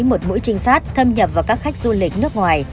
mỗi trinh sát thâm nhập vào các khách du lịch nước ngoài